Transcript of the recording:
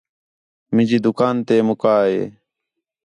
مینجی دُکان تے مکا ہِے